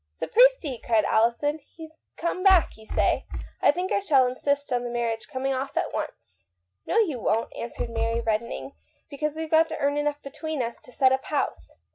" Sapbisti !" said Alison, " lie's come back, you say ? I think I shall insist on the marriage coming off at once." " No, you won't," answered Mary, redden ing, "because weVe got to earn enough between us to set up house."